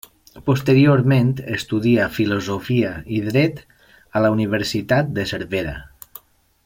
Posteriorment, estudia Filosofia i Dret a la Universitat de Cervera.